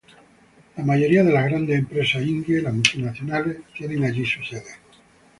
La mayoría de las grandes empresas indias y las multinacionales tienen su sede allí.